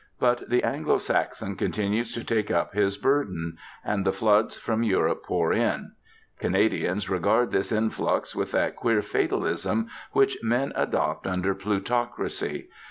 But the 'Anglo Saxon' continues to take up his burden; and the floods from Europe pour in. Canadians regard this influx with that queer fatalism which men adopt under plutocracy.